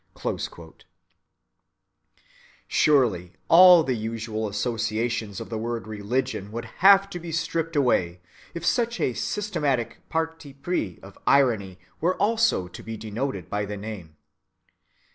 (12) Surely all the usual associations of the word "religion" would have to be stripped away if such a systematic parti pris of irony were also to be denoted by the name.